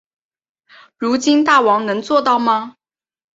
如今大王能做到吗？